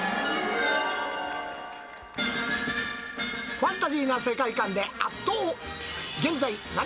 ファンタジーな世界観で、圧倒。